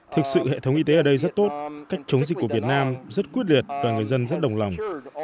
thực sự hệ thống y tế ở đây rất tốt cách chống dịch của việt nam rất quyết liệt và người dân rất đồng lòng